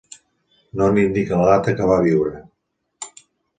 No n'indica la data que va viure.